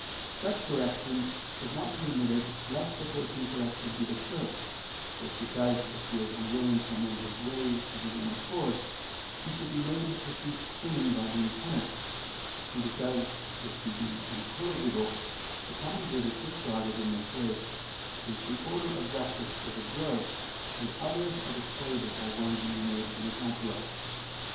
Such correction should not be omitted lest the person corrected be disturbed, both because if he is unwilling to amend his ways of his own accord, he should be made to cease sinning by being punished, and because, if he be incorrigible, the common good is safeguarded in this way, since the order of justice is observed, and others are deterred by one being made an example of.